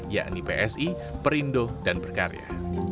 yakni psi perindo dan berkarya